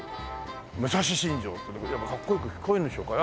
武蔵新城ってやっぱりかっこよく聞こえるんでしょうか。